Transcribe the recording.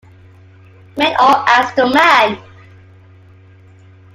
Man or Astro-man?